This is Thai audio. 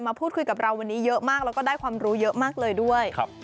พูดคุยกับเราวันนี้เยอะมากแล้วก็ได้ความรู้เยอะมากเลยด้วย